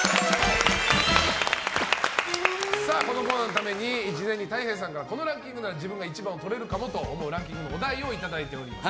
このコーナーのために事前にたい平さんからこのランキングなら自分が１番をとれるかもと思うランキングのお題をいただいております。